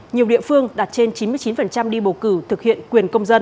nhiều địa phương đạt trên chín mươi chín đi bầu cử